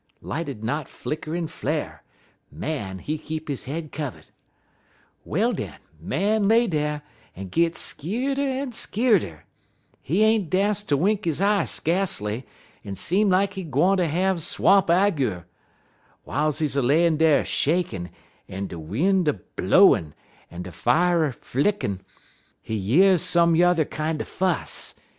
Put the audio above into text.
_ Light'd knot flicker en flar'. Man, he keep his head kivvud. "Well, den, Man lay dar, en git skeer'der en skeer'der. He ain't dast ter wink his eye skacely, en seem like he gwine ter have swamp agur. W'iles he layin' dar shakin', en de win' a blowin', en de fier flickin', he year someyuther kind er fuss.